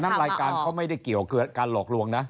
รายการเขาไม่ได้เกี่ยวกับการหลอกลวงนะ